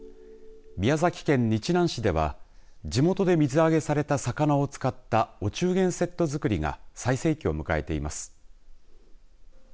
宮崎県日南市では地元で水揚げされた魚を使ったお中元セット作りが最盛期を迎えています。